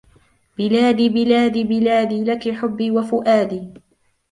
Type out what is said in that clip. بلادي بلادي بلادي لكِ حبي وفؤادي